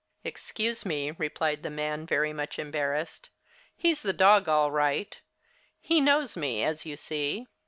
"Excuse me," replied the man, very much embarrassed, "he's the dog, all right. He knows me, as you see.